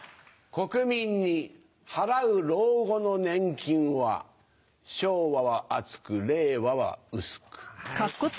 国民に払う老後の年金は昭和は厚く令和は薄く。